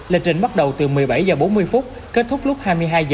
lệnh trình bắt đầu từ một mươi bảy h bốn mươi kết thúc lúc hai mươi hai h